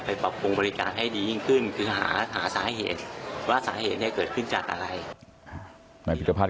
ไปปกปรุงบริการให้ดียิ่งขึ้น